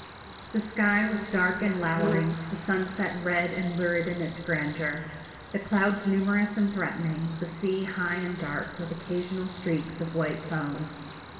The sky was dark and lowering, the sunset red and lurid in its grandeur, the clouds numerous and threatening, the sea high and dark, with occasional streaks of white foam.